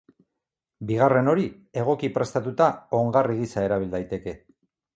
Bigarren hori, egoki prestatuta, ongarri gisa erabil daiteke.